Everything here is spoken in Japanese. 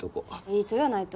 いいとやないと？